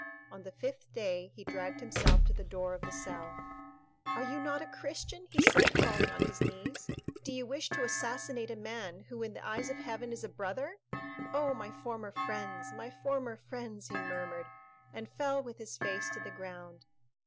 On the fifth day he dragged himself to the door of the cell. "Are you not a Christian?" he said, falling on his knees. "Do you wish to assassinate a man who, in the eyes of Heaven, is a brother? Oh, my former friends, my former friends!" he murmured, and fell with his face to the ground.